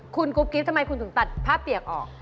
คุณกุ๊กกิ๊บทำไมคุณถึงตัดผ้าเปียกออก